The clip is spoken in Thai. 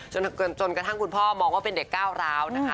จนกระทั่งคุณพ่อมองว่าเป็นเด็กก้าวร้าวนะคะ